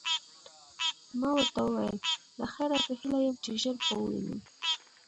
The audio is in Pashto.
ما ورته وویل: له خیره، په هیله یم چي ژر به ووینو.